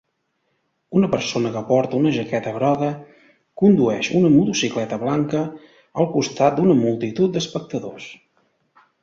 Una persona que porta una jaqueta groga condueix una motocicleta blanca al costat d'una multitud d'espectadors